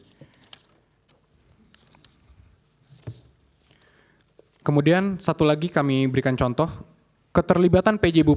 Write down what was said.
keterlibatan pj bupati kampar yang bersikap tidak netral dan mendukung serta memenangkan pasangan calon presiden dan wakil presiden nomor urut satu